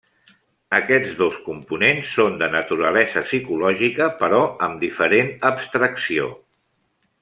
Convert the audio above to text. Aquests dos components són de naturalesa psicològica, però amb diferent abstracció.